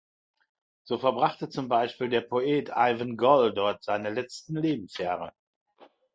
So verbrachte zum Beispiel der Poet Ivan Goll dort seine letzten Lebensjahre.